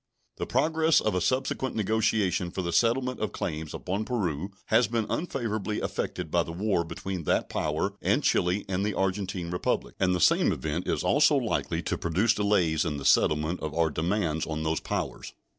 The progress of a subsequent negotiation for the settlement of claims upon Peru has been unfavorably affected by the war between that power and Chili and the Argentine Republic, and the same event is also likely to produce delays in the settlement of out demands on those powers.